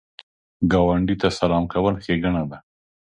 ګاونډي ته سلام کول ښېګڼه ده